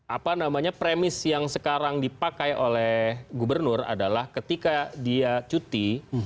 apa namanya premis yang sekarang dipakai oleh gubernur adalah ketika dia cuti